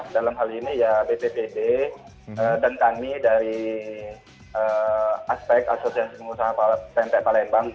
dalam hal ini ya bppd dan kami dari aspek asosiasi pengusaha pmp palembang